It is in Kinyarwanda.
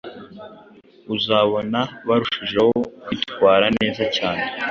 uzabona barushijeho kwitwara neza cyane.